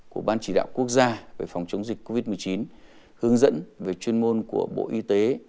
của ban chỉ đạo quốc gia về phòng chống dịch covid một mươi chín hướng dẫn về chuyên môn của bộ y tế